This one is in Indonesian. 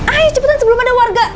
ayo cepetan sebelum ada warga